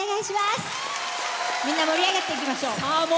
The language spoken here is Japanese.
みんな盛り上がっていきましょう。